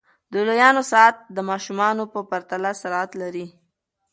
د لویانو ساعت د ماشومانو په پرتله سرعت لري.